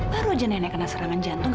baru aja nenek kena serangan jantung